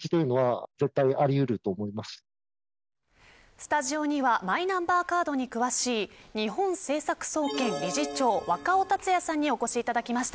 スタジオにはマイナンバーカードに詳しい日本政策総研理事長若生幸也さんにお越しいただきました。